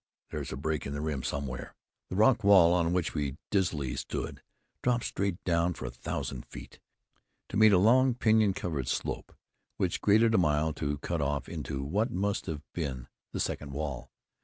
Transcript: There's a break in the rim somewhere." The rock wall, on which we dizzily stood, dropped straight down for a thousand feet, to meet a long, pinyon covered slope, which graded a mile to cut off into what must have been the second wall.